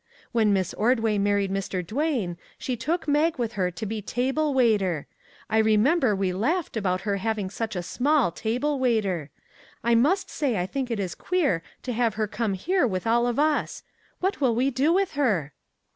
When Miss Ordway married Mr. Duane she took Mag with her to be table waiter. I remember we laughed about her having such a small table waiter. I must say I think it is queer to have her come here with all of us. What will we do with her?"